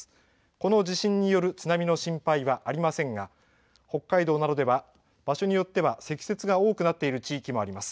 この地震による津波の心配はありませんが、北海道などでは場所によっては、積雪が多くなっている地域があります。